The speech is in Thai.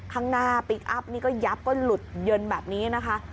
ข้างหน้าพลิกอัพนี่ก็ยับก็หลุดเยินแบบนี้นะคะ